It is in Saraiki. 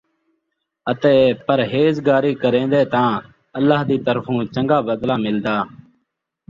اَتے پرہیز گاری کریندے تاں اللہ دِی طرفوں چنگا بَدلہ مِلدا،